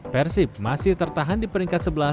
persib masih tertahan di peringkat sebelas